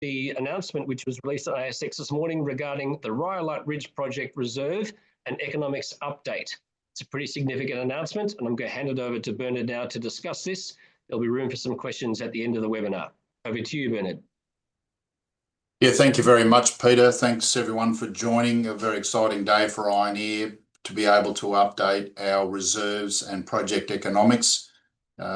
The announcement, which was released on ASX this morning regarding the Rhyolite Ridge Project Reserve and economics update. It's a pretty significant announcement, and I'm going to hand it over to Bernard now to discuss this. There'll be room for some questions at the end of the webinar. Over to you, Bernard. Yeah, thank you very much, Peter. Thanks, everyone, for joining. A very exciting day for Ioneer to be able to update our reserves and project economics.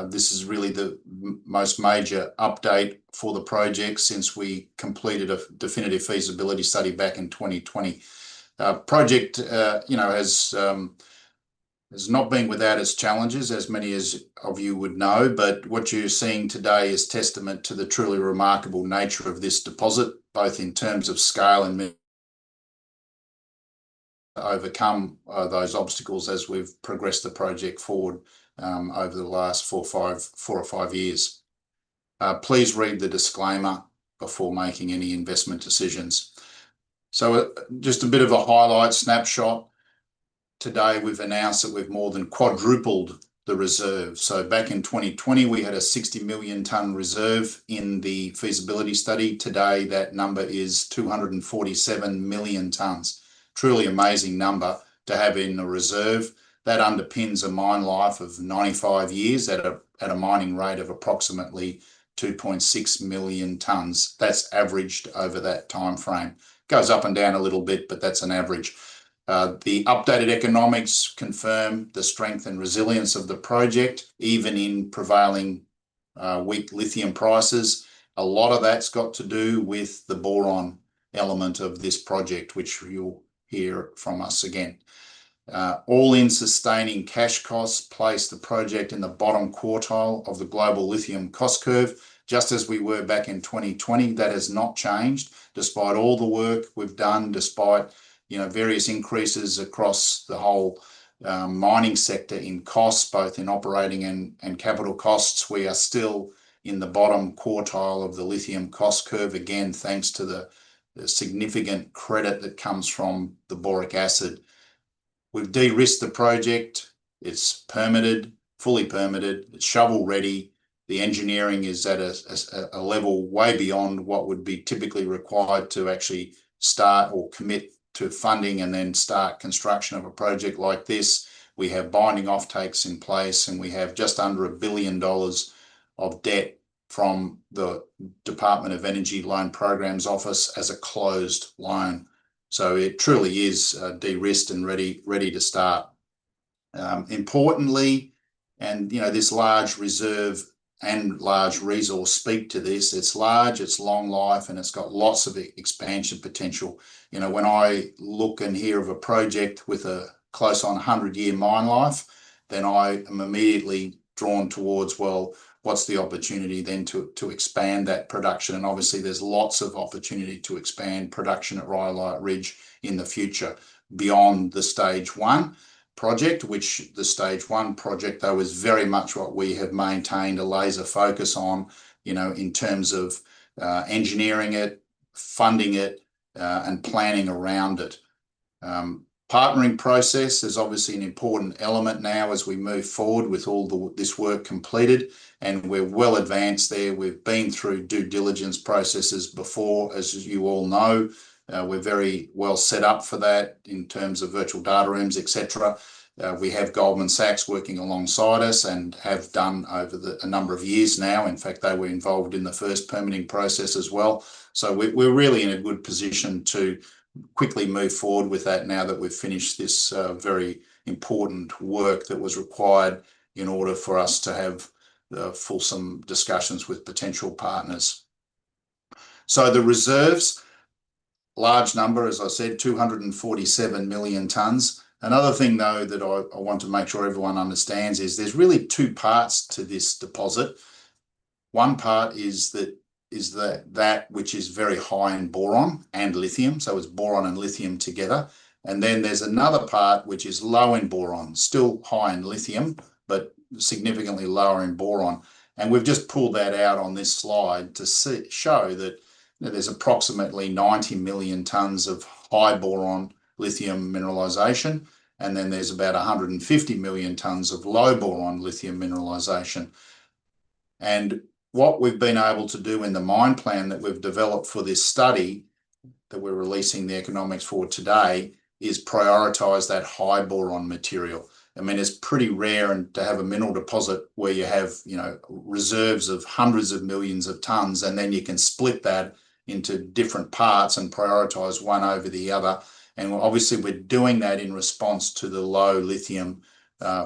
This is really the most major update for the project since we completed a definitive feasibility study back in 2020. The project has not been without its challenges, as many of you would know, but what you're seeing today is testament to the truly remarkable nature of this deposit, both in terms of scale and overcome those obstacles as we've progressed the project forward over the last four or five years. Please read the disclaimer before making any investment decisions. Just a bit of a highlight snapshot. Today, we've announced that we've more than quadrupled the reserve. Back in 2020, we had a 60 million ton reserve in the feasibility study. Today, that number is 247 million tons. Truly amazing number to have in the reserve. That underpins a mine life of 95 years at a mining rate of approximately 2.6 million tons. That's averaged over that timeframe. Goes up and down a little bit, but that's an average. The updated economics confirm the strength and resilience of the project, even in prevailing weak lithium prices. A lot of that's got to do with the boron element of this project, which you'll hear from us again. All-in sustaining cash costs placed the project in the bottom quartile of the global lithium cost curve, just as we were back in 2020. That has not changed despite all the work we've done, despite various increases across the whole mining sector in costs, both in operating and capital costs. We are still in the bottom quartile of the lithium cost curve, again, thanks to the significant credit that comes from the boric acid. We've de-risked the project. It's permitted, fully permitted. It's shovel-ready. The engineering is at a level way beyond what would be typically required to actually start or commit to funding and then start construction of a project like this. We have binding offtakes in place, and we have just under $1 billion of debt from the Department of Energy Loan Programs Office as a closed loan. It truly is de-risked and ready to start. Importantly, and this large reserve and large resource speak to this. It's large, it's long life, and it's got lots of expansion potential. When I look and hear of a project with a close on 100-year mine life, I am immediately drawn towards, well, what's the opportunity then to expand that production? Obviously, there's lots of opportunity to expand production at Rhyolite Ridge in the future beyond the stage one project, which the stage one project, though, is very much what we have maintained a laser focus on in terms of engineering it, funding it, and planning around it. Partnering process is obviously an important element now as we move forward with all this work completed, and we're well advanced there. We've been through due diligence processes before, as you all know. We're very well set up for that in terms of virtual data rooms, etc. We have Goldman Sachs working alongside us and have done over a number of years now. In fact, they were involved in the first permitting process as well. We are really in a good position to quickly move forward with that now that we have finished this very important work that was required in order for us to have fulsome discussions with potential partners. The reserves, large number, as I said, 247 million tons. Another thing, though, that I want to make sure everyone understands is there are really two parts to this deposit. One part is that which is very high in boron and lithium. It is boron and lithium together. Then there is another part which is low in boron, still high in lithium, but significantly lower in boron. We have just pulled that out on this slide to show that there is approximately 90 million tons of high boron lithium mineralisation, and then there is about 150 million tons of low boron lithium mineralisation. What we've been able to do in the mine plan that we've developed for this study that we're releasing the economics for today is prioritise that high boron material. I mean, it's pretty rare to have a mineral deposit where you have reserves of hundreds of millions of tons, and then you can split that into different parts and prioritise one over the other. Obviously, we're doing that in response to the low lithium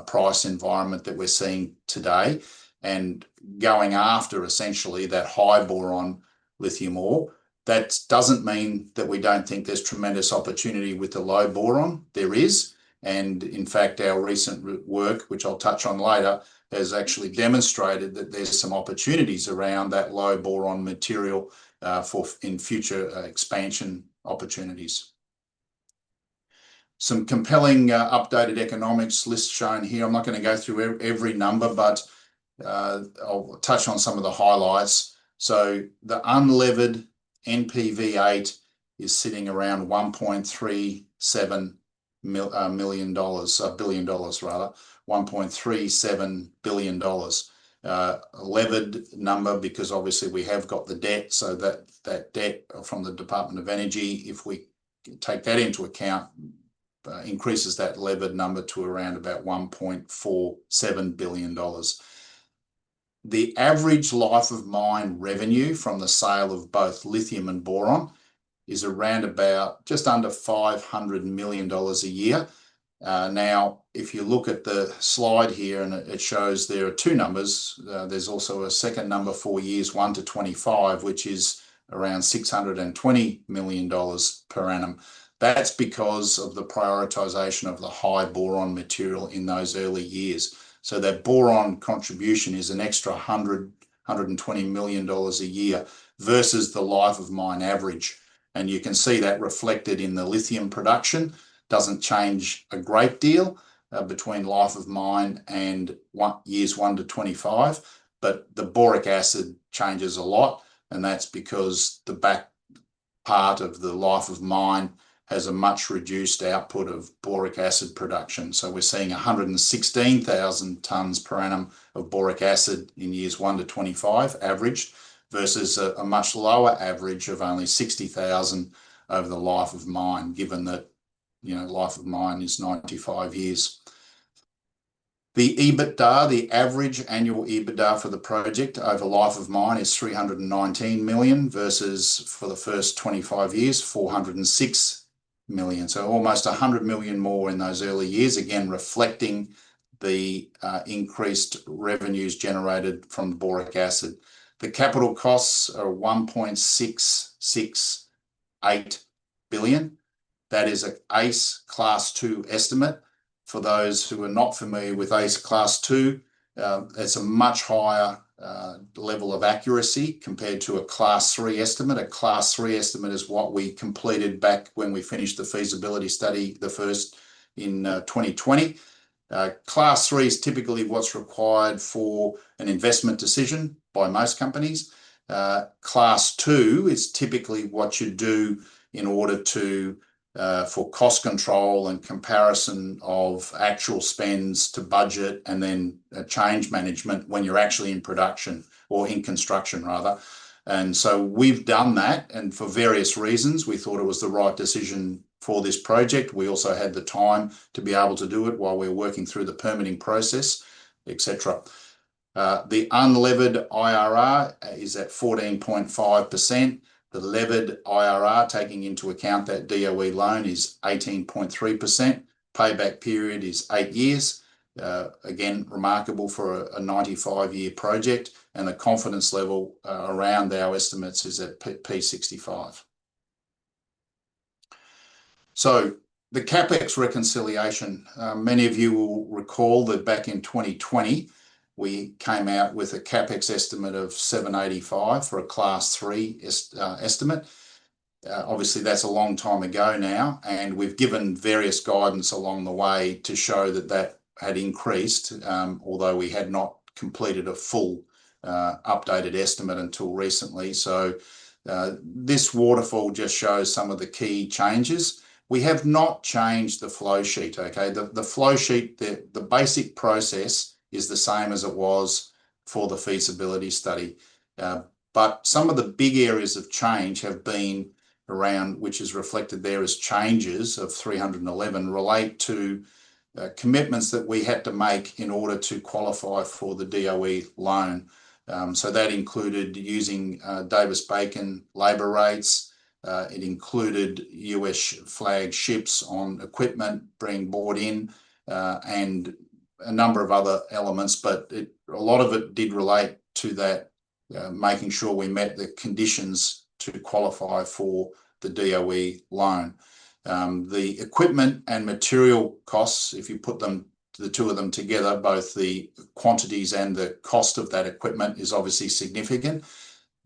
price environment that we're seeing today and going after essentially that high boron lithium ore. That doesn't mean that we don't think there's tremendous opportunity with the low boron. There is. In fact, our recent work, which I'll touch on later, has actually demonstrated that there's some opportunities around that low boron material for future expansion opportunities. Some compelling updated economics lists shown here. I'm not going to go through every number, but I'll touch on some of the highlights. The unlevered NPV8 is sitting around $1.37 billion, $1.37 billion. A levered number because obviously we have got the debt. That debt from the Department of Energy, if we take that into account, increases that levered number to around about $1.47 billion. The average life of mine revenue from the sale of both lithium and boron is around about just under $500 million a year. Now, if you look at the slide here and it shows there are two numbers, there's also a second number for years one to 25, which is around $620 million per annum. That's because of the prioritisation of the high boron material in those early years. That boron contribution is an extra $120 million a year versus the life of mine average. You can see that reflected in the lithium production. It does not change a great deal between life of mine and years one to 25, but the boric acid changes a lot, and that is because the back part of the life of mine has a much reduced output of boric acid production. We are seeing 116,000 tons per annum of boric acid in years one to 25 average versus a much lower average of only 60,000 over the life of mine, given that life of mine is 95 years. The EBITDA, the average annual EBITDA for the project over life of mine is $319 million versus for the first 25 years, $406 million. Almost $100 million more in those early years, again, reflecting the increased revenues generated from boric acid. The capital costs are $1.668 billion. That is an AACE Class 2 estimate. For those who are not familiar with AACE Class 2, it's a much higher level of accuracy compared to a Class 3 estimate. A Class 3 estimate is what we completed back when we finished the feasibility study, the first in 2020. Class 3 is typically what's required for an investment decision by most companies. Class 2 is typically what you do in order for cost control and comparison of actual spends to budget and then change management when you're actually in production or in construction, rather. We have done that, and for various reasons, we thought it was the right decision for this project. We also had the time to be able to do it while we were working through the permitting process, etc. The unlevered IRR is at 14.5%. The levered IRR, taking into account that DOE loan, is 18.3%. Payback period is eight years. Again, remarkable for a 95-year project. The confidence level around our estimates is at P65. The CapEx reconciliation, many of you will recall that back in 2020, we came out with a CapEx estimate of $785 million for a Class 3 estimate. Obviously, that's a long time ago now, and we've given various guidance along the way to show that that had increased, although we had not completed a full updated estimate until recently. This waterfall just shows some of the key changes. We have not changed the flow sheet, okay? The flow sheet, the basic process is the same as it was for the feasibility study. Some of the big areas of change have been around, which is reflected there as changes of $311 million relate to commitments that we had to make in order to qualify for the DOE loan. That included using Davis-Bacon labor rates. It included U.S. flagships on equipment being bought in and a number of other elements, but a lot of it did relate to that, making sure we met the conditions to qualify for the DOE loan. The equipment and material costs, if you put the two of them together, both the quantities and the cost of that equipment is obviously significant.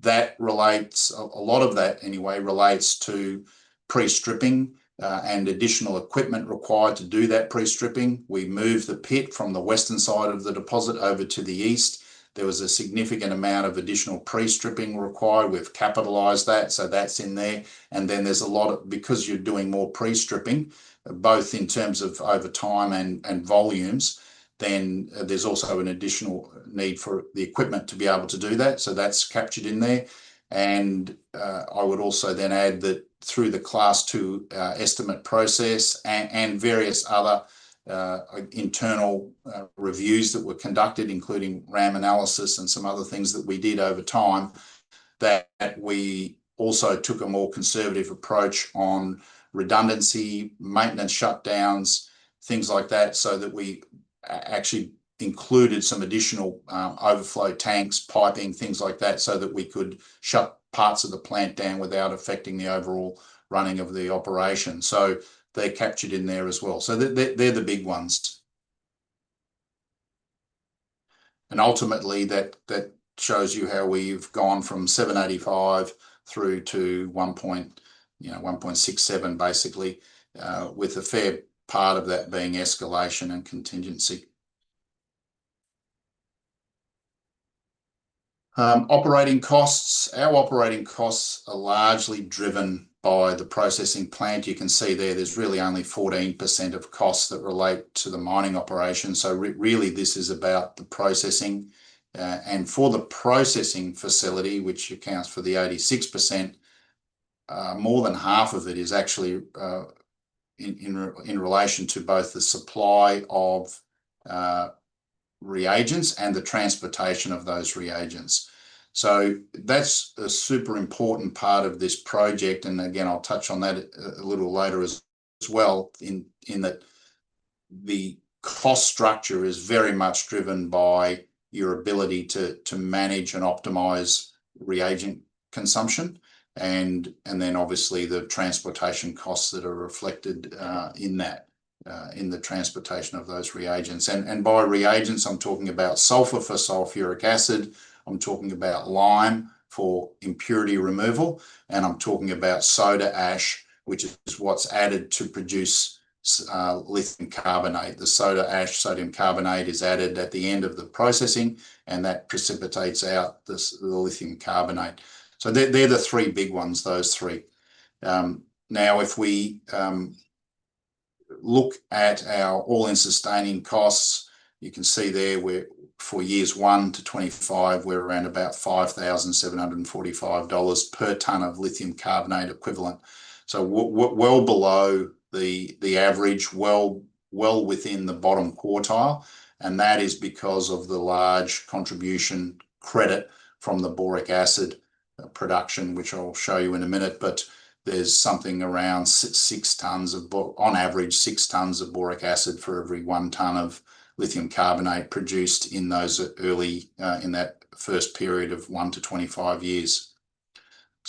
That relates, a lot of that anyway, relates to pre-stripping and additional equipment required to do that pre-stripping. We moved the pit from the western side of the deposit over to the east. There was a significant amount of additional pre-stripping required. We capitalized that, so that's in there. Because you're doing more pre-stripping, both in terms of overtime and volumes, there's also an additional need for the equipment to be able to do that. That is captured in there. I would also then add that through the Class 2 estimate process and various other internal reviews that were conducted, including RAM analysis and some other things that we did over time, we also took a more conservative approach on redundancy, maintenance shutdowns, things like that, so that we actually included some additional overflow tanks, piping, things like that, so that we could shut parts of the plant down without affecting the overall running of the operation. They are captured in there as well. They are the big ones. Ultimately, that shows you how we have gone from 785 through to 1.67, basically, with a fair part of that being escalation and contingency. Operating costs, our operating costs are largely driven by the processing plant. You can see there is really only 14% of costs that relate to the mining operation. Really, this is about the processing. For the processing facility, which accounts for 86%, more than half of it is actually in relation to both the supply of reagents and the transportation of those reagents. That is a super important part of this project. Again, I'll touch on that a little later as well in that the cost structure is very much driven by your ability to manage and optimise reagent consumption. Obviously, the transportation costs are reflected in that, in the transportation of those reagents. By reagents, I'm talking about sulfur for sulfuric acid. I'm talking about lime for impurity removal. I'm talking about soda ash, which is what's added to produce lithium carbonate. The soda ash, sodium carbonate, is added at the end of the processing, and that precipitates out the lithium carbonate. They're the three big ones, those three. Now, if we look at our all-in sustaining costs, you can see there for years one to 25, we're around about $5,745 per ton of lithium carbonate equivalent. So well below the average, well within the bottom quartile. That is because of the large contribution credit from the boric acid production, which I'll show you in a minute. There's something around six tons of, on average, six tons of boric acid for every one ton of lithium carbonate produced in that first period of one to 25 years.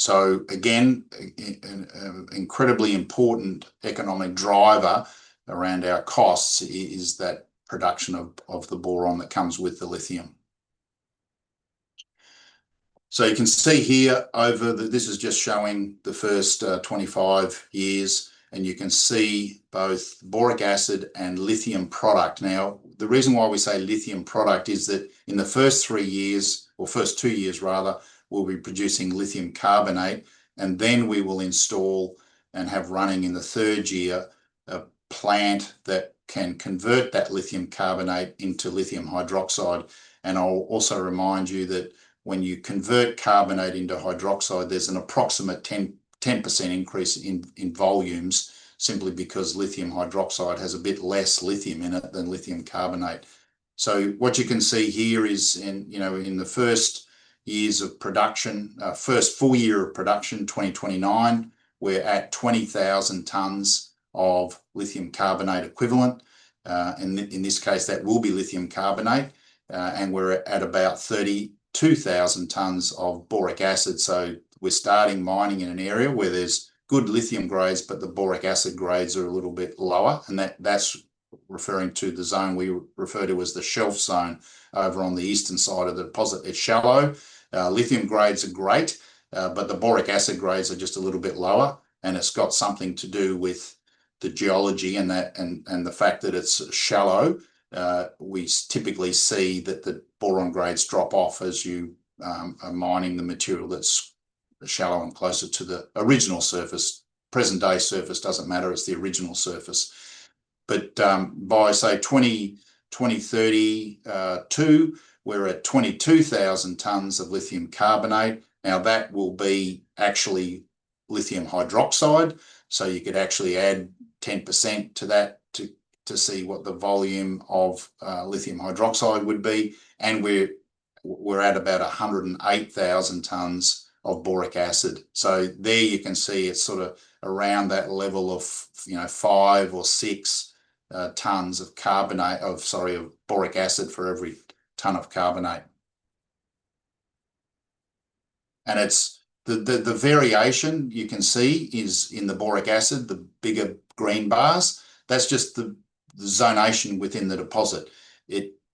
Again, an incredibly important economic driver around our costs is that production of the boron that comes with the lithium. You can see here over, this is just showing the first 25 years, and you can see both boric acid and lithium product. Now, the reason why we say lithium product is that in the first two years, we'll be producing lithium carbonate, and then we will install and have running in the third year a plant that can convert that lithium carbonate into lithium hydroxide. I'll also remind you that when you convert carbonate into hydroxide, there's an approximate 10% increase in volumes simply because lithium hydroxide has a bit less lithium in it than lithium carbonate. What you can see here is in the first years of production, first full year of production, 2029, we're at 20,000 tons of lithium carbonate equivalent. In this case, that will be lithium carbonate. We're at about 32,000 tons of boric acid. We're starting mining in an area where there's good lithium grades, but the boric acid grades are a little bit lower. That is referring to the zone we refer to as the shelf zone over on the eastern side of the deposit. It is shallow. Lithium grades are great, but the boric acid grades are just a little bit lower. It has something to do with the geology and the fact that it is shallow. We typically see that the boron grades drop off as you are mining the material that is shallow and closer to the original surface. Present-day surface does not matter; it is the original surface. By, say, 2032, we are at 22,000 tons of lithium carbonate. That will be actually lithium hydroxide. You could actually add 10% to that to see what the volume of lithium hydroxide would be. We are at about 108,000 tons of boric acid. There you can see it's sort of around that level of five or six tons of boric acid for every ton of carbonate. The variation you can see is in the boric acid, the bigger green bars. That's just the zonation within the deposit.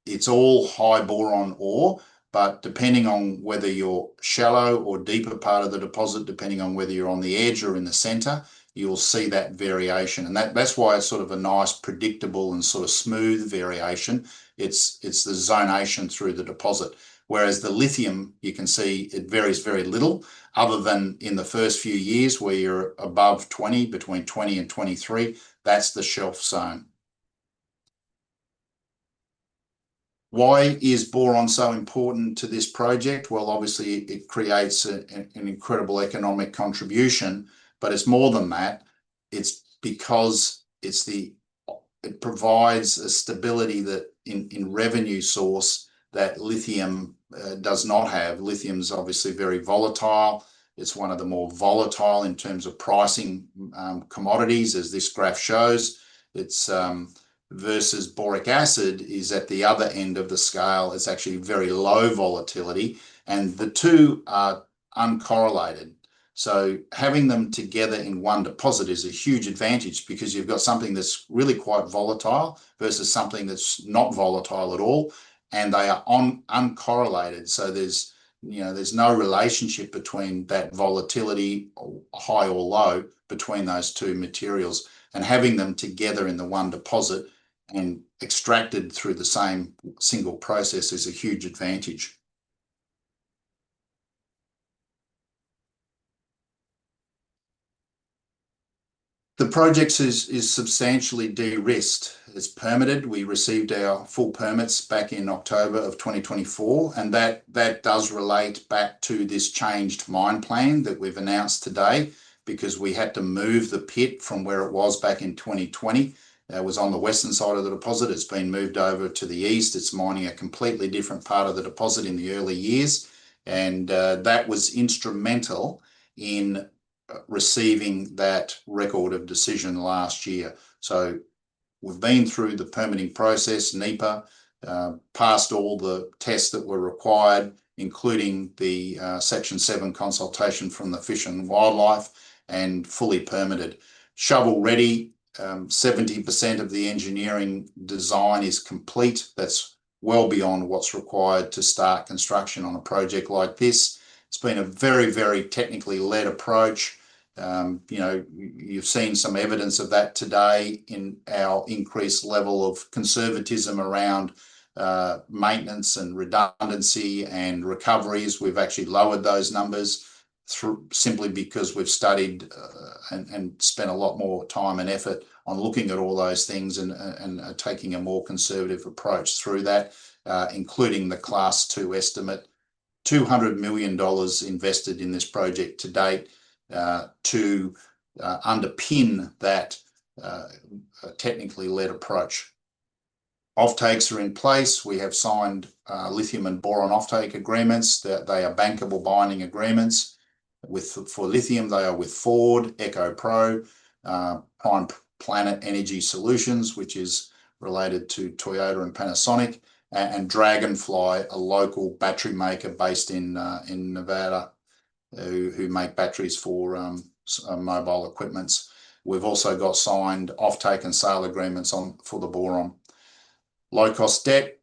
It's all high boron ore, but depending on whether you're in the shallow or deeper part of the deposit, depending on whether you're on the edge or in the centre, you'll see that variation. That's why it's sort of a nice predictable and sort of smooth variation. It's the zonation through the deposit. Whereas the lithium, you can see it varies very little, other than in the first few years where you're above 20, between 20 and 23, that's the shelf zone. Why is boron so important to this project? It creates an incredible economic contribution, but it's more than that. It's because it provides a stability in revenue source that lithium does not have. Lithium is obviously very volatile. It's one of the more volatile in terms of pricing commodities, as this graph shows. Versus boric acid is at the other end of the scale. It's actually very low volatility. And the two are uncorrelated. Having them together in one deposit is a huge advantage because you've got something that's really quite volatile versus something that's not volatile at all. They are uncorrelated. There's no relationship between that volatility, high or low, between those two materials. Having them together in the one deposit and extracted through the same single process is a huge advantage. The project is substantially de-risked. It's permitted. We received our full permits back in October of 2024. That does relate back to this changed mine plan that we've announced today because we had to move the pit from where it was back in 2020. It was on the western side of the deposit. It's been moved over to the east. It's mining a completely different part of the deposit in the early years. That was instrumental in receiving that record of decision last year. We have been through the permitting process, NEPA, passed all the tests that were required, including the Section 7 consultation from the Fish and Wildlife, and fully permitted. Shovel ready, 70% of the engineering design is complete. That's well beyond what's required to start construction on a project like this. It's been a very, very technically led approach. You've seen some evidence of that today in our increased level of conservatism around maintenance and redundancy and recoveries. We've actually lowered those numbers simply because we've studied and spent a lot more time and effort on looking at all those things and taking a more conservative approach through that, including the Class 2 estimate, $200 million invested in this project to date to underpin that technically led approach. Offtakes are in place. We have signed lithium and boron offtake agreements. They are bankable binding agreements. For lithium, they are with Ford, EcoPro, Prime Planet Energy Solutions, which is related to Toyota and Panasonic, and Dragonfly, a local battery maker based in Nevada who make batteries for mobile equipment. We've also got signed offtake and sale agreements for the boron. Low-cost debt,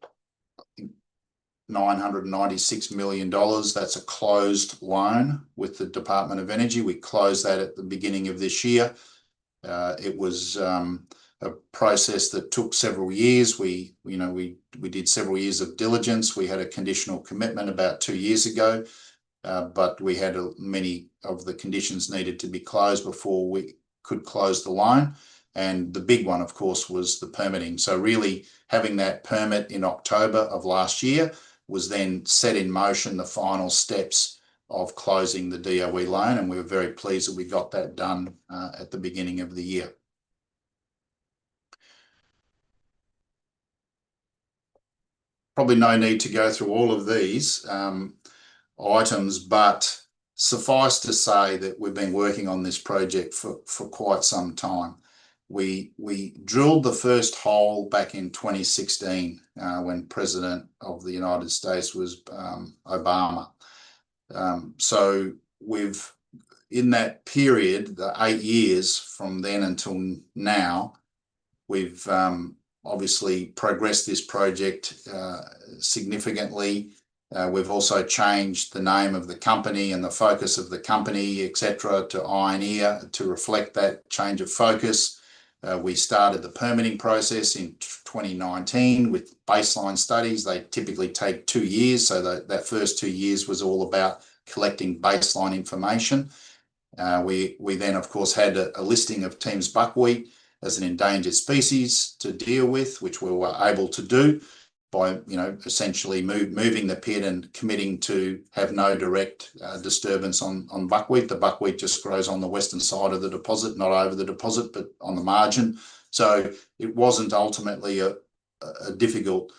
$996 million. That's a closed loan with the Department of Energy. We closed that at the beginning of this year. It was a process that took several years. We did several years of diligence. We had a conditional commitment about two years ago, but we had many of the conditions needed to be closed before we could close the loan. The big one, of course, was the permitting. Really, having that permit in October of last year then set in motion the final steps of closing the DOE loan. We were very pleased that we got that done at the beginning of the year. Probably no need to go through all of these items, but suffice to say that we've been working on this project for quite some time. We drilled the first hole back in 2016 when President of the United States was Obama. In that period, the eight years from then until now, we've obviously progressed this project significantly. We've also changed the name of the company and the focus of the company, etc., to Ioneer to reflect that change of focus. We started the permitting process in 2019 with baseline studies. They typically take two years. That first two years was all about collecting baseline information. We then, of course, had a listing of Tim's buckwheat as an endangered species to deal with, which we were able to do by essentially moving the pit and committing to have no direct disturbance on buckwheat. The buckwheat just grows on the western side of the deposit, not over the deposit, but on the margin. It was not ultimately a difficult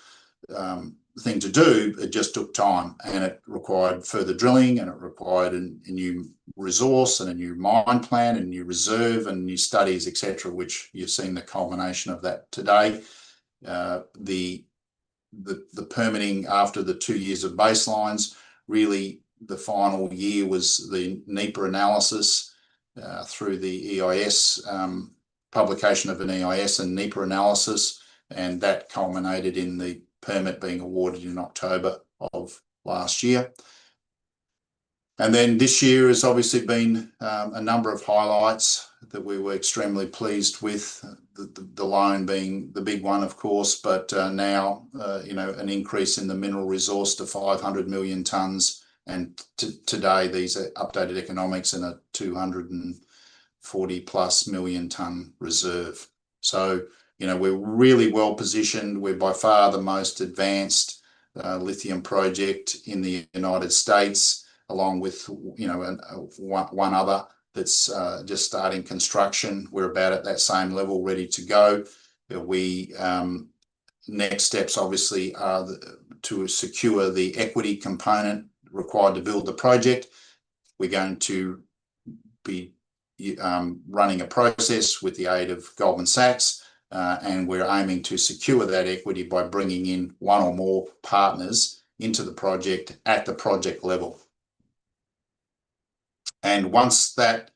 thing to do. It just took time. It required further drilling, and it required a new resource and a new mine plan and a new reserve and new studies, etc., which you've seen the culmination of that today. The permitting after the two years of baselines, really the final year was the NEPA analysis through the EIS publication of an EIS and NEPA analysis. That culminated in the permit being awarded in October of last year. This year has obviously been a number of highlights that we were extremely pleased with, the loan being the big one, of course, but now an increase in the mineral resource to 500 million tons. Today, these are updated economics and a 240-plus million ton reserve. We are really well positioned. We are by far the most advanced lithium project in the United States, along with one other that is just starting construction. We are about at that same level, ready to go. Next steps, obviously, are to secure the equity component required to build the project. We are going to be running a process with the aid of Goldman Sachs. We are aiming to secure that equity by bringing in one or more partners into the project at the project level. Once that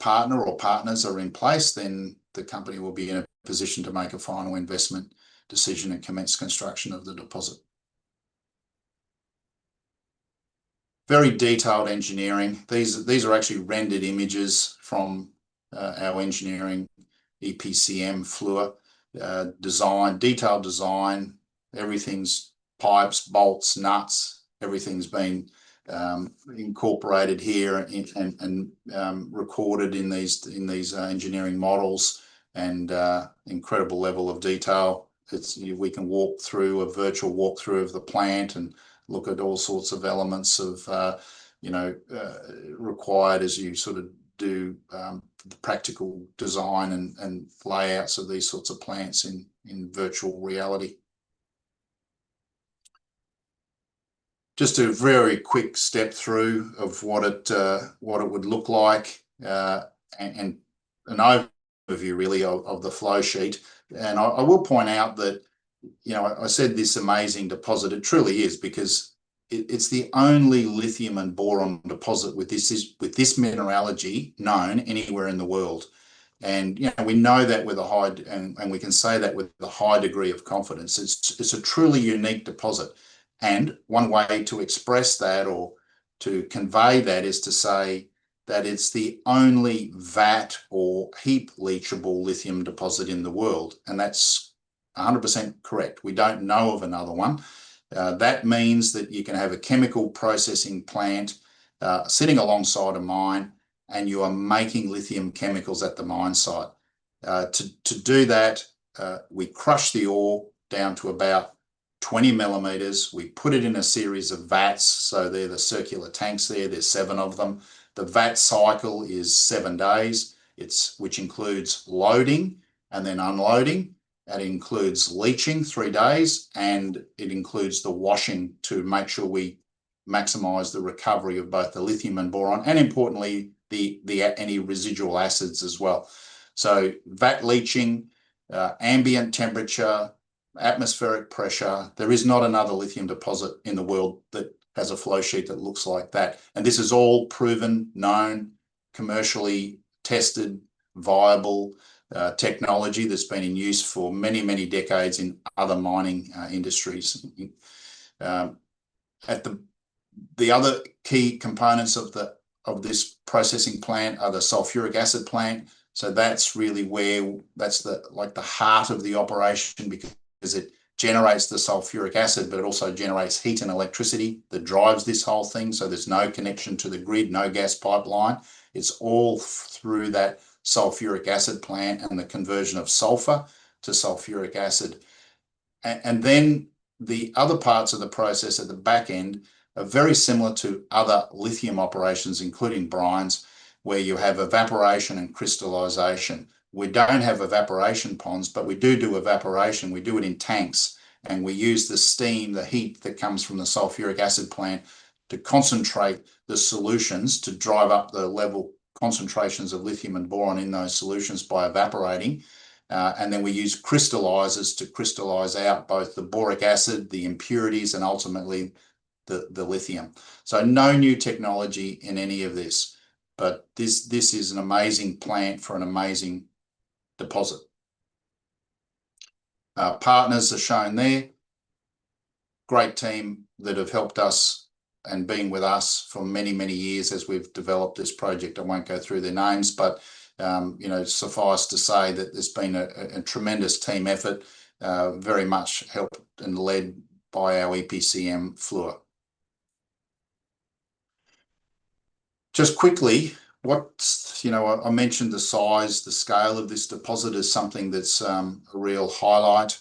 partner or partners are in place, then the company will be in a position to make a final investment decision and commence construction of the deposit. Very detailed engineering. These are actually rendered images from our engineering EPCM Fluor design, detailed design. Everything is pipes, bolts, nuts. Everything has been incorporated here and recorded in these engineering models and incredible level of detail. We can walk through a virtual walkthrough of the plant and look at all sorts of elements required as you sort of do the practical design and layouts of these sorts of plants in virtual reality. Just a very quick step through of what it would look like and an overview, really, of the flowsheet. I will point out that I said this amazing deposit. It truly is because it is the only lithium and boron deposit with this mineralogy known anywhere in the world. We know that with a high, and we can say that with a high degree of confidence. It is a truly unique deposit. One way to express that or to convey that is to say that it is the only VAT or heap leachable lithium deposit in the world. That is 100% correct. We do not know of another one. That means that you can have a chemical processing plant sitting alongside a mine, and you are making lithium chemicals at the mine site. To do that, we crush the ore down to about 20 millimeters. We put it in a series of VATs. They are the circular tanks there. There are seven of them. The VAT cycle is seven days, which includes loading and then unloading. It includes leaching three days, and it includes the washing to make sure we maximise the recovery of both the lithium and boron and, importantly, any residual acids as well. VAT leaching, ambient temperature, atmospheric pressure. There is not another lithium deposit in the world that has a flowsheet that looks like that. This is all proven, known, commercially tested, viable technology that's been in use for many, many decades in other mining industries. The other key components of this processing plant are the sulfuric acid plant. That's really where that's the heart of the operation because it generates the sulfuric acid, but it also generates heat and electricity that drives this whole thing. There is no connection to the grid, no gas pipeline. It's all through that sulfuric acid plant and the conversion of sulfur to sulfuric acid. The other parts of the process at the back end are very similar to other lithium operations, including brines, where you have evaporation and crystallisation. We do not have evaporation ponds, but we do do evaporation. We do it in tanks. We use the steam, the heat that comes from the sulfuric acid plant to concentrate the solutions to drive up the level concentrations of lithium and boron in those solutions by evaporating. We use crystallisers to crystallise out both the boric acid, the impurities, and ultimately the lithium. No new technology in any of this. This is an amazing plant for an amazing deposit. Partners are shown there. Great team that have helped us and been with us for many, many years as we have developed this project. I won't go through their names, but suffice to say that there's been a tremendous team effort, very much helped and led by our EPCM Fluor. Just quickly, I mentioned the size. The scale of this deposit is something that's a real highlight.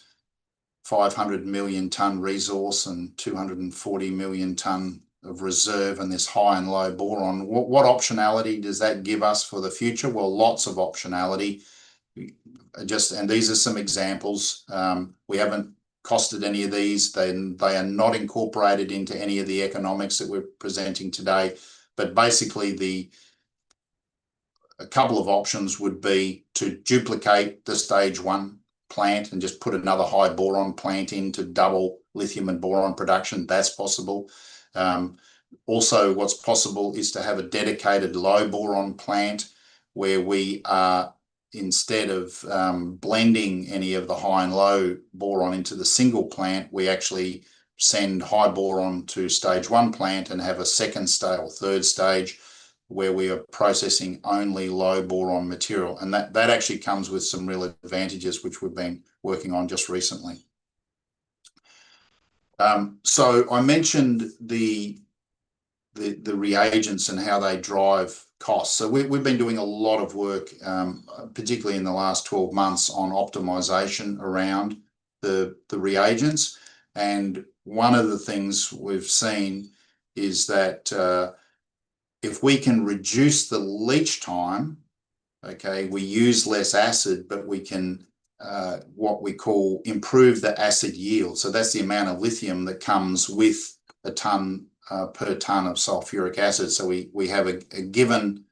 500 million ton resource and 240 million ton of reserve and this high and low boron. What optionality does that give us for the future? Lots of optionality. These are some examples. We haven't costed any of these. They are not incorporated into any of the economics that we're presenting today. Basically, a couple of options would be to duplicate the stage one plant and just put another high boron plant in to double lithium and boron production. That's possible. Also, what's possible is to have a dedicated low boron plant where we, instead of blending any of the high and low boron into the single plant, actually send high boron to stage one plant and have a second stage, third stage where we are processing only low boron material. That actually comes with some real advantages, which we've been working on just recently. I mentioned the reagents and how they drive costs. We've been doing a lot of work, particularly in the last 12 months, on optimisation around the reagents. One of the things we've seen is that if we can reduce the leach time, we use less acid, but we can, what we call, improve the acid yield. That's the amount of lithium that comes with a ton per ton of sulfuric acid. We have a given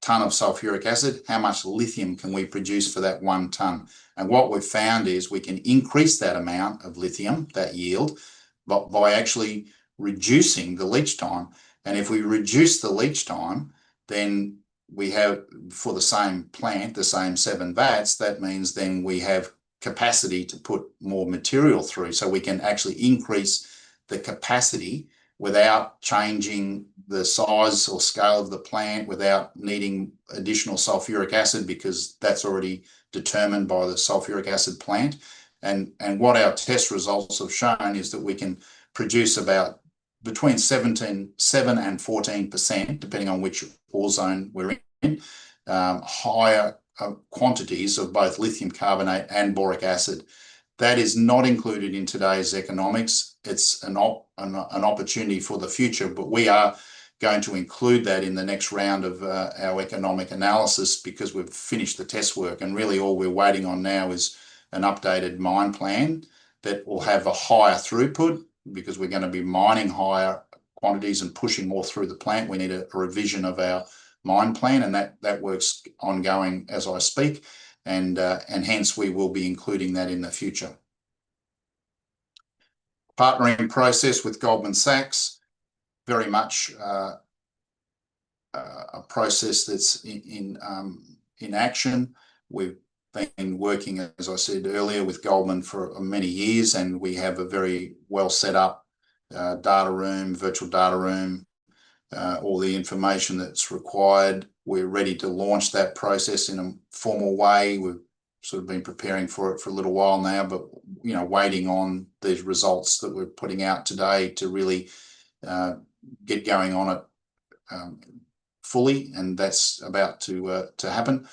ton of sulfuric acid, how much lithium can we produce for that one ton? What we have found is we can increase that amount of lithium, that yield, by actually reducing the leach time. If we reduce the leach time, then we have, for the same plant, the same seven VATs, that means we have capacity to put more material through. We can actually increase the capacity without changing the size or scale of the plant, without needing additional sulfuric acid because that is already determined by the sulfuric acid plant. What our test results have shown is that we can produce about between 7%-14%, depending on which pore zone we are in, higher quantities of both lithium carbonate and boric acid. That is not included in today's economics. It's an opportunity for the future, but we are going to include that in the next round of our economic analysis because we've finished the test work. Really, all we're waiting on now is an updated mine plan that will have a higher throughput because we're going to be mining higher quantities and pushing more through the plant. We need a revision of our mine plan, and that work's ongoing as I speak. Hence, we will be including that in the future. Partnering process with Goldman Sachs, very much a process that's in action. We've been working, as I said earlier, with Goldman for many years, and we have a very well set up data room, virtual data room, all the information that's required. We're ready to launch that process in a formal way. We've sort of been preparing for it for a little while now, but waiting on these results that we're putting out today to really get going on it fully. That's about to happen.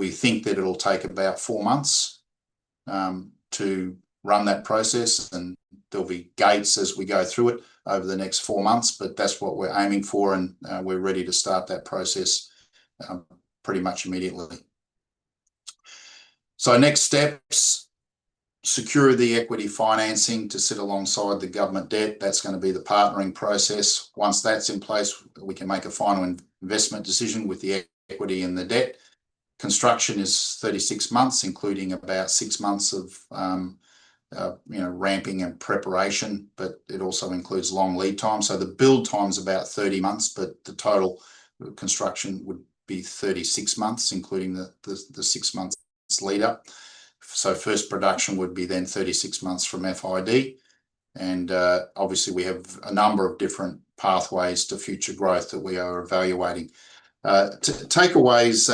We think that it'll take about four months to run that process, and there'll be gates as we go through it over the next four months. That's what we're aiming for, and we're ready to start that process pretty much immediately. Next steps, secure the equity financing to sit alongside the government debt. That's going to be the partnering process. Once that's in place, we can make a final investment decision with the equity and the debt. Construction is 36 months, including about six months of ramping and preparation, but it also includes long lead time. The build time is about 30 months, but the total construction would be 36 months, including the six months lead up. First production would be then 36 months from FID. Obviously, we have a number of different pathways to future growth that we are evaluating. Takeaways,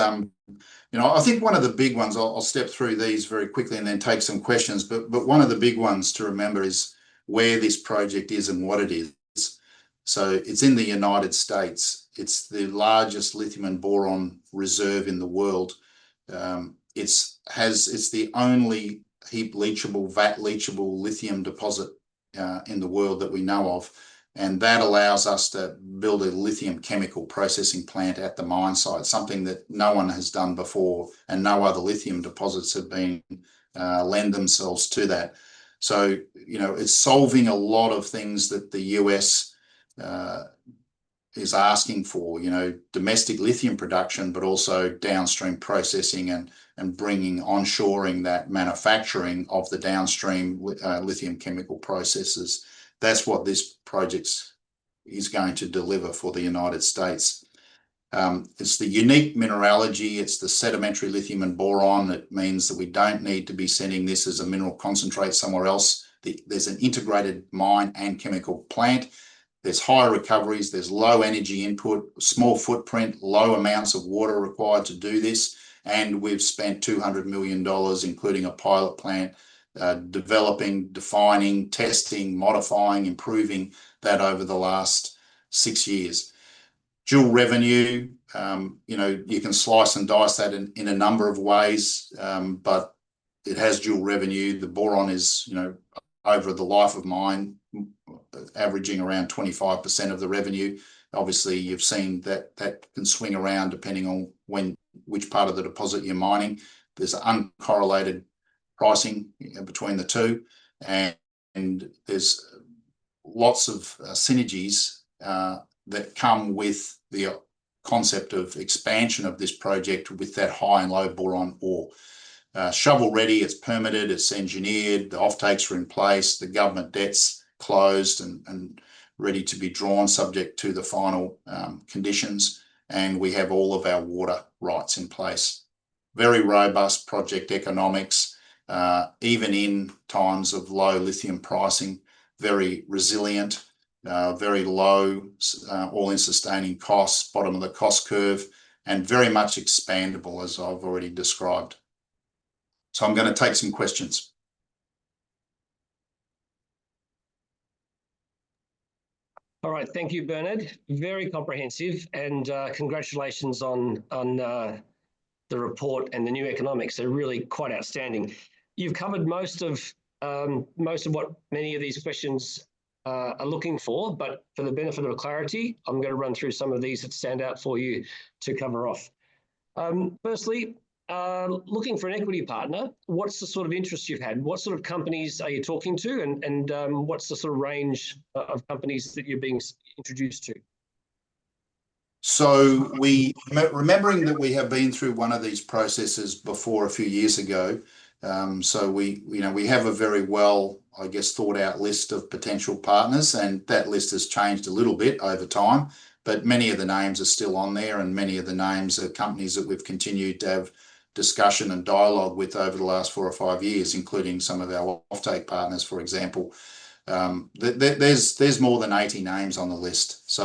I think one of the big ones, I'll step through these very quickly and then take some questions, but one of the big ones to remember is where this project is and what it is. It is in the United States. It is the largest lithium and boron reserve in the world. It is the only heap leachable, VAT leachable lithium deposit in the world that we know of. That allows us to build a lithium chemical processing plant at the mine site, something that no one has done before and no other lithium deposits have lent themselves to that. It is solving a lot of things that the U.S. is asking for, domestic lithium production, but also downstream processing and bringing onshoring that manufacturing of the downstream lithium chemical processes. That is what this project is going to deliver for the United States. It is the unique mineralogy; it is the sedimentary lithium and boron. It means that we do not need to be sending this as a mineral concentrate somewhere else. There is an integrated mine and chemical plant. There are high recoveries. There is low energy input, small footprint, low amounts of water required to do this. We have spent $200 million, including a pilot plant, developing, defining, testing, modifying, improving that over the last six years. Dual revenue, you can slice and dice that in a number of ways, but it has dual revenue. The boron is over the life of mine, averaging around 25% of the revenue. Obviously, you've seen that that can swing around depending on which part of the deposit you're mining. There's uncorrelated pricing between the two. And there's lots of synergies that come with the concept of expansion of this project with that high and low boron ore. Shovel ready, it's permitted, it's engineered, the offtakes are in place, the government debt's closed and ready to be drawn, subject to the final conditions. And we have all of our water rights in place. Very robust project economics, even in times of low lithium pricing, very resilient, very low, all-in sustaining costs, bottom of the cost curve, and very much expandable, as I've already described. I'm going to take some questions. All right. Thank you, Bernard. Very comprehensive. Congratulations on the report and the new economics. They're really quite outstanding. You've covered most of what many of these questions are looking for, but for the benefit of clarity, I'm going to run through some of these that stand out for you to cover off. Firstly, looking for an equity partner, what's the sort of interest you've had? What sort of companies are you talking to? What's the sort of range of companies that you're being introduced to? Remembering that we have been through one of these processes before a few years ago. We have a very well, I guess, thought-out list of potential partners, and that list has changed a little bit over time, but many of the names are still on there, and many of the names are companies that we've continued to have discussion and dialogue with over the last four or five years, including some of our offtake partners, for example. There's more than 80 names on the list.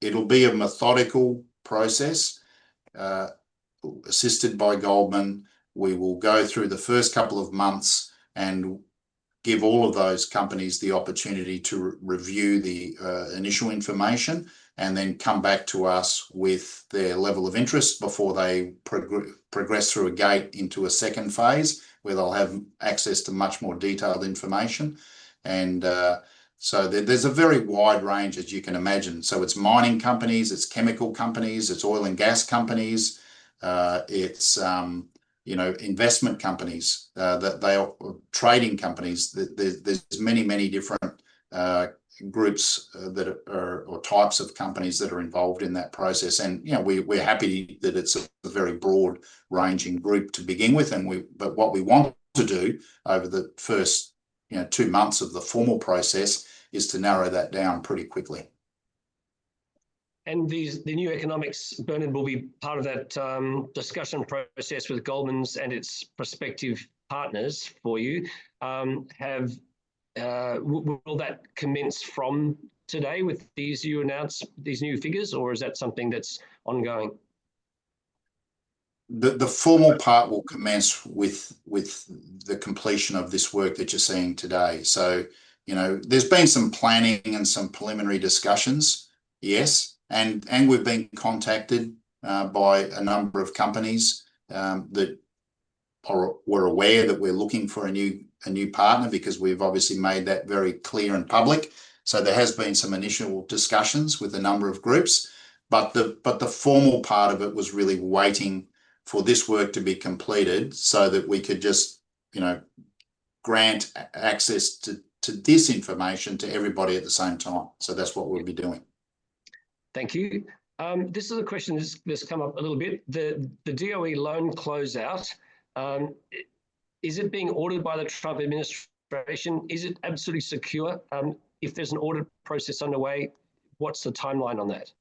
It'll be a methodical process assisted by Goldman. We will go through the first couple of months and give all of those companies the opportunity to review the initial information and then come back to us with their level of interest before they progress through a gate into a second phase where they'll have access to much more detailed information. There's a very wide range, as you can imagine. It's mining companies, it's chemical companies, it's oil and gas companies, it's investment companies, trading companies. There are many, many different groups or types of companies that are involved in that process. We're happy that it's a very broad-ranging group to begin with. What we want to do over the first two months of the formal process is to narrow that down pretty quickly. The new economics, Bernard, will be part of that discussion process with Goldman's and its prospective partners for you. Will that commence from today with these new figures, or is that something that's ongoing? The formal part will commence with the completion of this work that you're seeing today. There has been some planning and some preliminary discussions, yes. We have been contacted by a number of companies that were aware that we're looking for a new partner because we've obviously made that very clear and public. There have been some initial discussions with a number of groups. The formal part of it was really waiting for this work to be completed so that we could just grant access to this information to everybody at the same time. That is what we'll be doing. Thank you. This is a question that's come up a little bit. The DOE loan closeout, is it being ordered by the Trump administration? Is it absolutely secure? If there's an audit process underway, what's the timeline on that?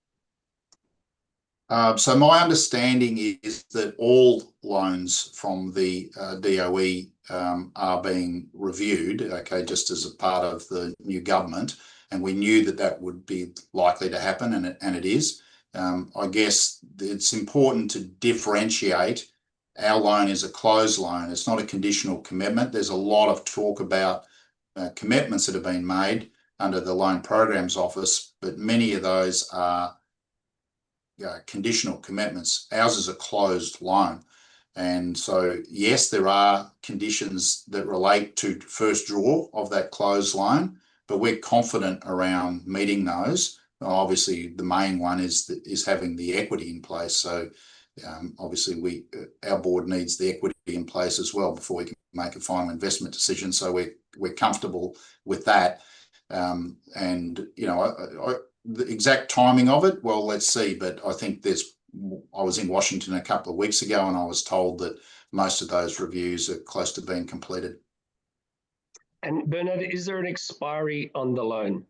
My understanding is that all loans from the DOE are being reviewed, okay, just as a part of the new government. We knew that that would be likely to happen, and it is. I guess it's important to differentiate our loan is a closed loan. It's not a conditional commitment. There's a lot of talk about commitments that have been made under the Loan Programs Office, but many of those are conditional commitments. Ours is a closed loan. Yes, there are conditions that relate to first draw of that closed loan, but we're confident around meeting those. Obviously, the main one is having the equity in place. Obviously, our board needs the equity in place as well before we can make a final investment decision. We're comfortable with that. The exact timing of it, let's see. I was in Washington a couple of weeks ago, and I was told that most of those reviews are close to being completed. Bernard, is there an expiry on the loan?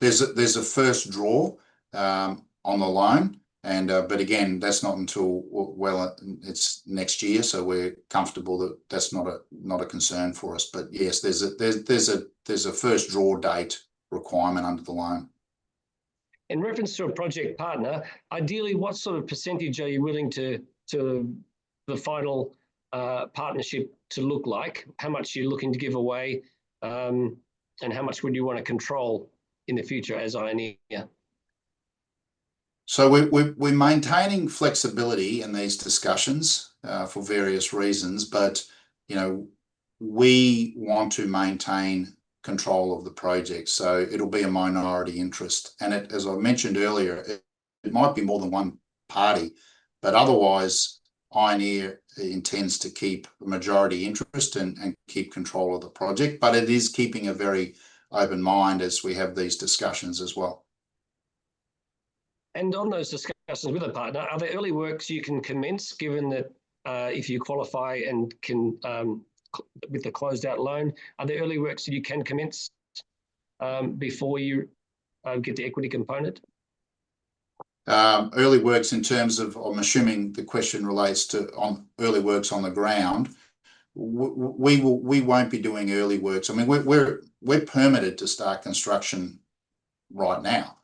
There's a first draw on the loan, but again, that's not until well into next year. We're comfortable that that's not a concern for us. Yes, there's a first draw date requirement under the loan. In reference to a project partner, ideally, what sort of percentage are you willing for the final partnership to look like? How much are you looking to give away? How much would you want to control in the future as Ioneer? We're maintaining flexibility in these discussions for various reasons, but we want to maintain control of the project. It'll be a minority interest. As I mentioned earlier, it might be more than one party. Otherwise, Ioneer intends to keep majority interest and keep control of the project. It is keeping a very open mind as we have these discussions as well. On those discussions with a partner, are there early works you can commence given that if you qualify and can with the closed-out loan, are there early works that you can commence before you get the equity component? Early works in terms of I'm assuming the question relates to early works on the ground. We won't be doing early works. I mean, we're permitted to start construction right now,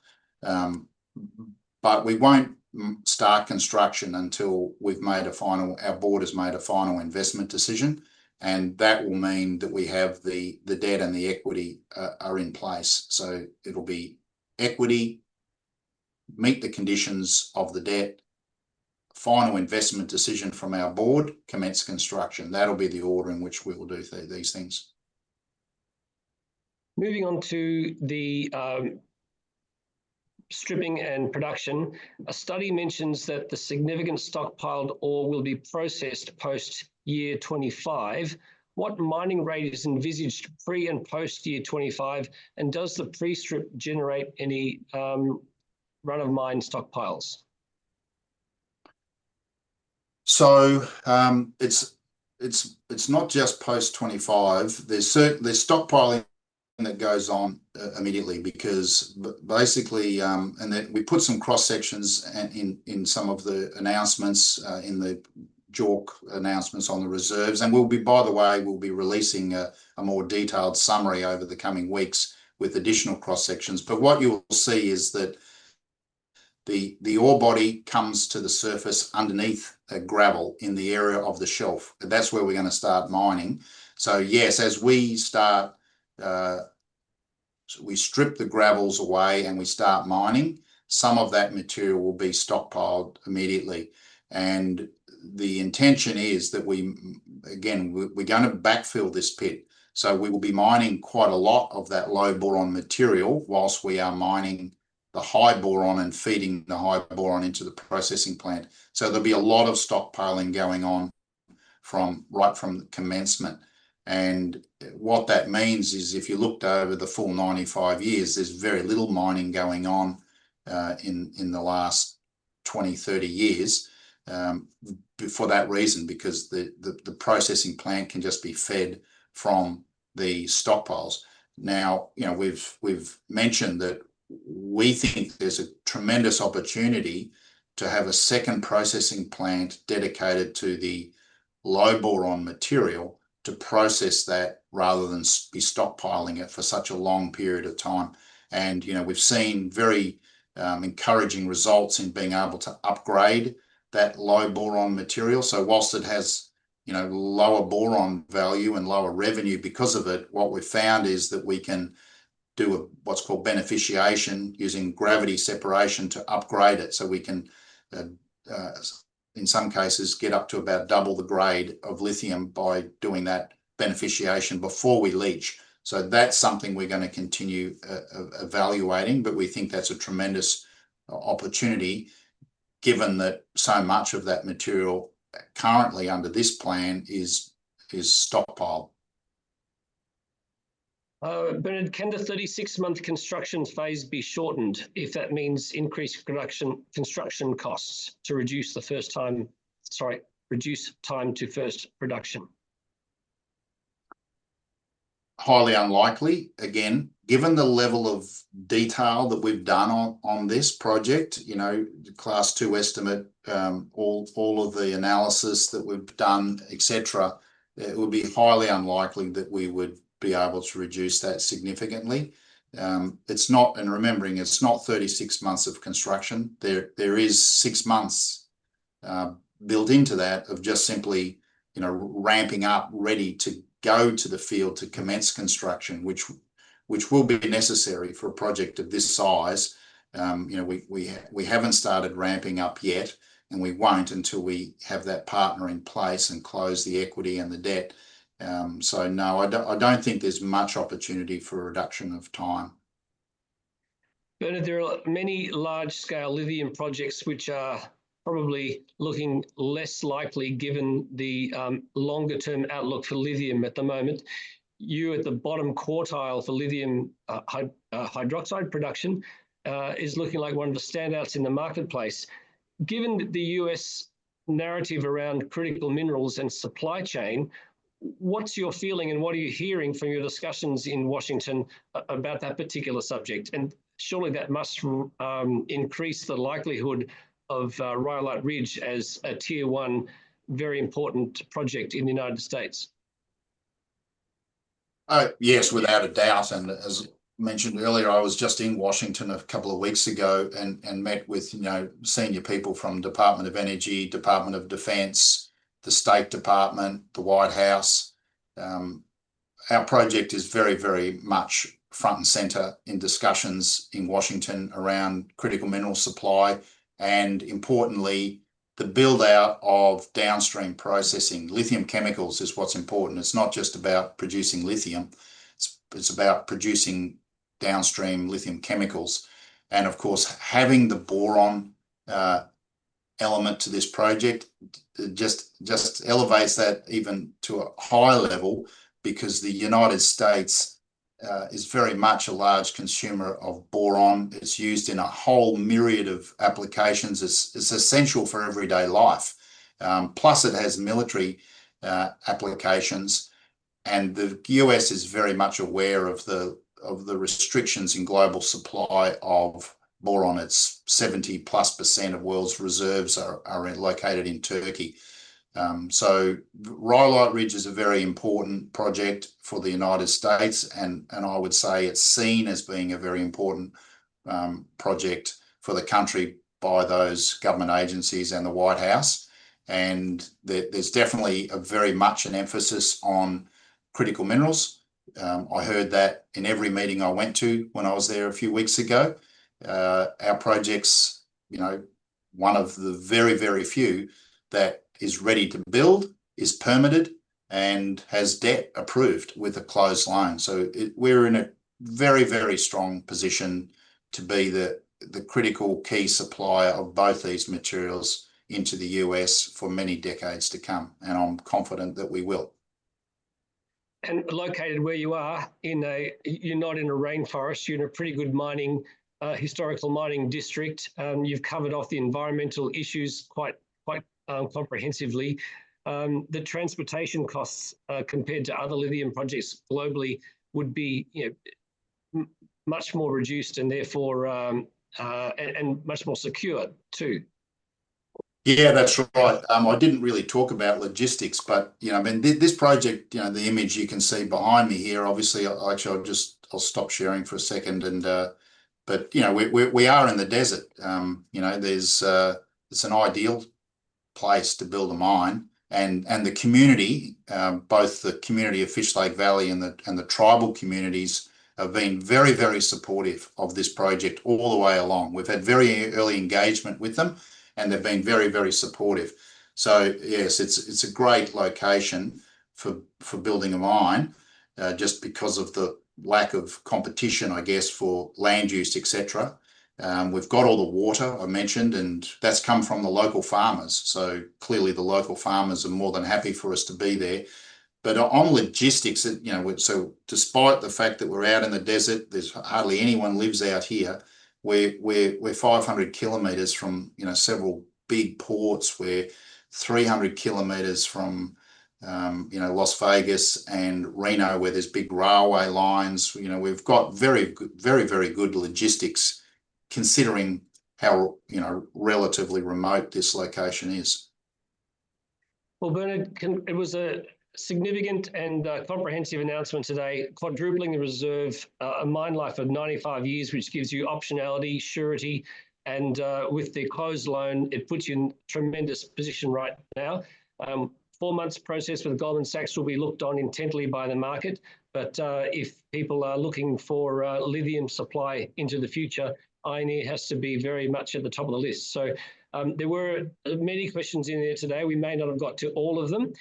but we won't start construction until we've made a final, our board has made a final investment decision. That will mean that we have the debt and the equity are in place. It'll be equity, meet the conditions of the debt, final investment decision from our board, commence construction. That'll be the order in which we will do these things. Moving on to the stripping and production, a study mentions that the significant stockpiled ore will be processed post-year 2025. What mining rate is envisaged pre and post-year 2025? Does the pre-strip generate any run-of-mine stockpiles? It's not just post-2025. There's stockpiling that goes on immediately because basically, and then we put some cross-sections in some of the announcements, in the JORC announcements on the reserves. By the way, we'll be releasing a more detailed summary over the coming weeks with additional cross-sections. What you will see is that the ore body comes to the surface underneath a gravel in the area of the shelf. That's where we're going to start mining. Yes, as we strip the gravels away and we start mining, some of that material will be stockpiled immediately. The intention is that we, again, we're going to backfill this pit. We will be mining quite a lot of that low boron material whilst we are mining the high boron and feeding the high boron into the processing plant. There will be a lot of stockpiling going on right from commencement. What that means is if you looked over the full 95 years, there is very little mining going on in the last 20-30 years for that reason because the processing plant can just be fed from the stockpiles. We have mentioned that we think there is a tremendous opportunity to have a second processing plant dedicated to the low boron material to process that rather than be stockpiling it for such a long period of time. We have seen very encouraging results in being able to upgrade that low boron material. Whilst it has lower boron value and lower revenue because of it, what we have found is that we can do what is called beneficiation using gravity separation to upgrade it. We can, in some cases, get up to about double the grade of lithium by doing that beneficiation before we leach. That's something we're going to continue evaluating, but we think that's a tremendous opportunity given that so much of that material currently under this plan is stockpiled. Bernard, can the 36-month construction phase be shortened if that means increased construction costs to reduce the time to first production? Highly unlikely. Again, given the level of detail that we've done on this project, Class 2 estimate, all of the analysis that we've done, etc., it would be highly unlikely that we would be able to reduce that significantly. Remembering, it's not 36 months of construction. There are six months built into that of just simply ramping up, ready to go to the field to commence construction, which will be necessary for a project of this size. We haven't started ramping up yet, and we won't until we have that partner in place and close the equity and the debt. No, I don't think there's much opportunity for reduction of time. Bernard, there are many large-scale lithium projects which are probably looking less likely given the longer-term outlook for lithium at the moment. You at the bottom quartile for lithium hydroxide production is looking like one of the standouts in the marketplace. Given the U.S. narrative around critical minerals and supply chain, what's your feeling and what are you hearing from your discussions in Washington about that particular subject? Surely that must increase the likelihood of Rhyolite Ridge as a tier one, very important project in the United States. Yes, without a doubt. As mentioned earlier, I was just in Washington a couple of weeks ago and met with senior people from the Department of Energy, Department of Defense, the State Department, the White House. Our project is very, very much front and center in discussions in Washington around critical mineral supply. Importantly, the buildout of downstream processing lithium chemicals is what's important. It's not just about producing lithium. It's about producing downstream lithium chemicals. Of course, having the boron element to this project just elevates that even to a higher level because the United States is very much a large consumer of boron. It's used in a whole myriad of applications. It's essential for everyday life. Plus, it has military applications. The U.S. is very much aware of the restrictions in global supply of boron. It's 70+% of world's reserves are located in Turkey. Rhyolite Ridge is a very important project for the United States. I would say it's seen as being a very important project for the country by those government agencies and the White House. There's definitely very much an emphasis on critical minerals. I heard that in every meeting I went to when I was there a few weeks ago. Our project is one of the very, very few that is ready to build, is permitted, and has debt approved with a closed loan. We're in a very, very strong position to be the critical key supplier of both these materials into the U.S. for many decades to come. I'm confident that we will. Located where you are, you're not in a rainforest. You're in a pretty good historical mining district. You've covered off the environmental issues quite comprehensively. The transportation costs compared to other lithium projects globally would be much more reduced and much more secure too. Yeah, that's right. I didn't really talk about logistics, but I mean, this project, the image you can see behind me here, obviously, actually, I'll stop sharing for a second. We are in the desert. It's an ideal place to build a mine. The community, both the community of Fish Lake Valley and the tribal communities, have been very, very supportive of this project all the way along. We've had very early engagement with them, and they've been very, very supportive. Yes, it's a great location for building a mine just because of the lack of competition, I guess, for land use, etc. We've got all the water I mentioned, and that's come from the local farmers. Clearly, the local farmers are more than happy for us to be there. On logistics, despite the fact that we're out in the desert, hardly anyone lives out here. We're 500 km from several big ports. We're 300 km from Las Vegas and Reno, where there's big railway lines. We've got very, very good logistics considering how relatively remote this location is. Bernard, it was a significant and comprehensive announcement today, quadrupling the reserve, a mine life of 95 years, which gives you optionality, surety. With the closed loan, it puts you in a tremendous position right now. Four months processed with Goldman Sachs will be looked on intently by the market. If people are looking for lithium supply into the future, Ioneer has to be very much at the top of the list. There were many questions in there today. We may not have got to all of them.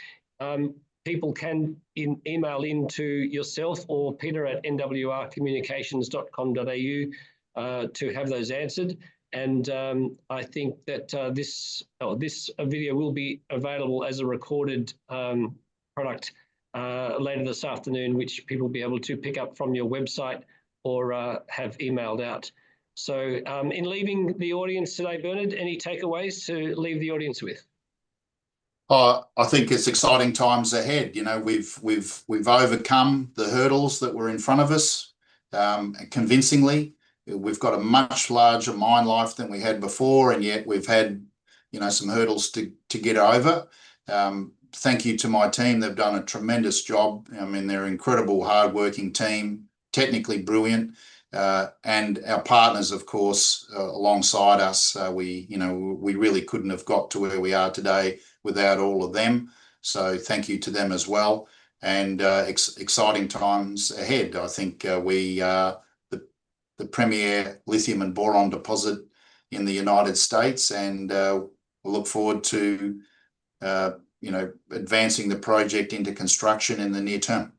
People can email in to yourself or peter@nwercommunications.com.au to have those answered. I think that this video will be available as a recorded product later this afternoon, which people will be able to pick up from your website or have emailed out. In leaving the audience today, Bernard, any takeaways to leave the audience with? I think it's exciting times ahead. We've overcome the hurdles that were in front of us. Convincingly, we've got a much larger mine life than we had before. Yet, we've had some hurdles to get over. Thank you to my team. They've done a tremendous job. I mean, they're an incredible hardworking team, technically brilliant. Our partners, of course, alongside us, we really couldn't have got to where we are today without all of them. Thank you to them as well. Exciting times ahead. I think we are the premier lithium and boron deposit in the United States. We look forward to advancing the project into construction in the near term.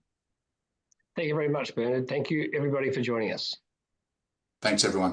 Thank you very much, Bernard. Thank you, everybody, for joining us. Thanks everyone.